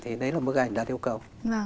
thì đấy là bức ảnh đạt yêu cầu